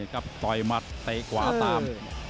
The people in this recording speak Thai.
ครับต่อยมัดเตะกว่าตาม